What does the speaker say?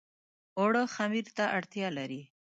اوړه خمیر ته اړتيا لري